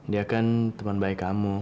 dia kan teman baik kamu